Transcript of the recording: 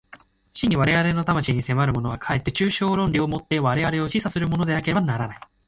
真に我々の魂に迫るものは、かえって抽象論理を以て我々を唆すものでなければならない。